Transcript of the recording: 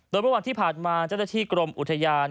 โดยเมื่อวันที่ผ่านมาเจ้าหน้าที่กรมอุทยาน